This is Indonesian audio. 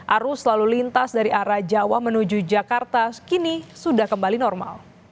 arus lalu lintas dari arah jawa menuju jakarta kini sudah kembali normal